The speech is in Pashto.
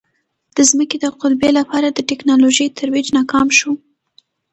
د ځمکې د قُلبې لپاره د ټکنالوژۍ ترویج ناکام شو.